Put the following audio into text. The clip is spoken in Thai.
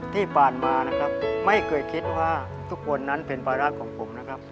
ที่ผ่านมานะครับไม่เคยคิดว่าทุกคนนั้นเป็นภาระของผมนะครับ